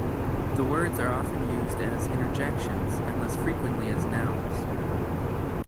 The words are often used as interjections, and less frequently as nouns.